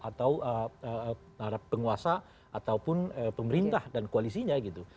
atau penguasa ataupun pemerintah dan koalisinya gitu